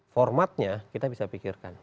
formatnya kita bisa pikirkan